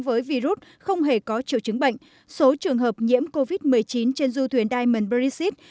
với virus không hề có triệu chứng bệnh số trường hợp nhiễm covid một mươi chín trên du thuyền diamond princess